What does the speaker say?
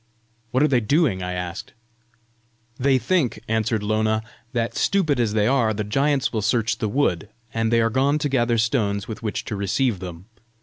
"What are they doing?" I asked. "They think," answered Lona, "that, stupid as they are, the giants will search the wood, and they are gone to gather stones with which to receive them.